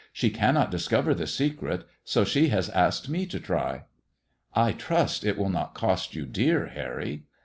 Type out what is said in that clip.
" She cannot discover the so she lias asked me to try." " I trust it will not cost you dear, Harry."